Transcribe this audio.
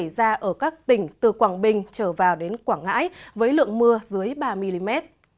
ra ở các tỉnh từ quảng bình trở vào đến quảng ngãi với lượng mưa dưới ba mm